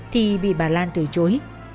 thì bị bà lan từ chối